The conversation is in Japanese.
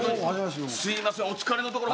すいませんお疲れのところ。